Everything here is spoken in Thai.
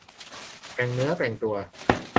แต่งเนื้อแต่งตัว